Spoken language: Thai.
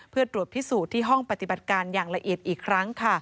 เพื่อตรวจพิสูจน์ที่ห้องปฏิบัติการอย่างละเอียดอีกครั้ง